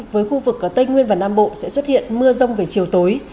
với khu vực tây nguyên và nam bộ sẽ xuất hiện mưa rông về chiều tối